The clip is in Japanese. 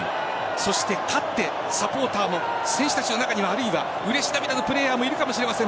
そして勝ってサポーターも選手たちの中にはあるいはうれし涙のプレーヤーもいるかもしれません。